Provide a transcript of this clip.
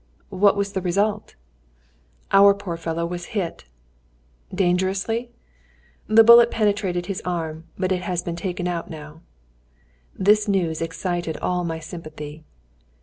"What was the result?" "Our poor friend was hit!" "Dangerously?" "The bullet penetrated his arm. But it has been taken out now." The news excited all my sympathy.